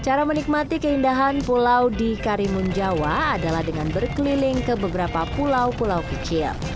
cara menikmati keindahan pulau di karimun jawa adalah dengan berkeliling ke beberapa pulau pulau kecil